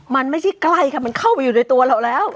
มันไม่ใช่ใกล้ค่ะมันเข้าไปอยู่ในตัวเราแล้ว